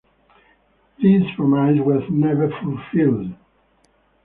This promise was never fulfilled.